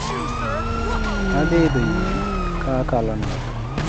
Adhi idho yie ka akalo nam